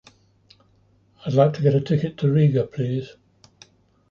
I’d like to get a ticket to Riga, please.